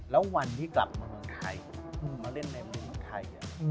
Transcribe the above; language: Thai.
แล้ววันที่กลับมาเมืองไทยมาเล่นในเมืองไทย